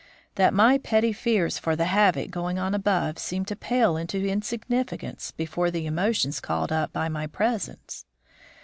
that my petty fears for the havoc going on above seemed to pale into insignificance before the emotions called up by my presence.